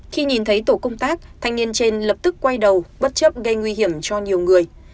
khi nhìn thấy tổ công tác thanh niên trên lập tức quay đầu bất chấp gây nguy hiểm cho nhiều người